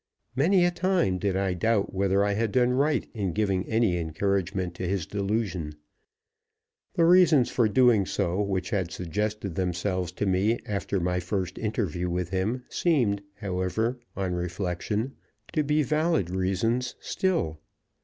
Many a time did I doubt whether I had done right in giving any encouragement to his delusion. The reasons for doing so which had suggested themselves to me after my first interview with him seemed, however, on reflection, to be valid reasons still.